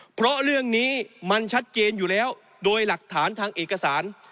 เพราะเรื่องนี้มันชัดเจนอยู่แล้วโดยหลักฐานทางเอกสาร